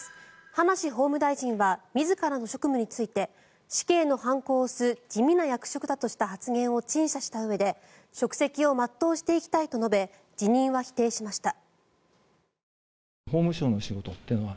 葉梨法務大臣は自らの職務について死刑の判子を押す地味な役職だとした発言を陳謝したうえで職責を全うしていきたいと述べ辞任は否定しました。